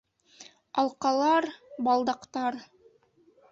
Алҡалар... балдаҡтар!..